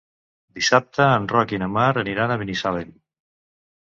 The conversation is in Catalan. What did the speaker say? Dissabte en Roc i na Mar aniran a Binissalem.